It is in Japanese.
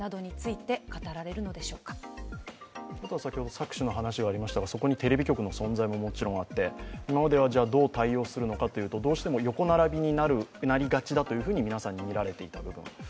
搾取の話もありましたが、そこにテレビ局の存在もありまして今まではどう対応するのかというと、どうしても横並びになりがちだと皆さんに見られていた部分がある。